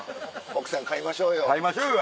奥さん飼いましょうよ。